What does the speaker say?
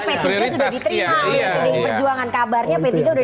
pdi perjuangan kabarnya p tiga sudah diterima